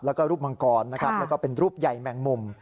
แล้วก็รูปมังกรนะครับแล้วก็เป็นรูปใหญ่แมงมุม